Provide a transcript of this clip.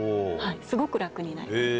すごく楽になります。